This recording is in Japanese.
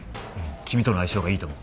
君との相性がいいと思う。